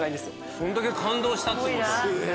そんだけ感動したってことだ。